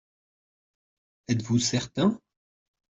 Êtes-vous certain ?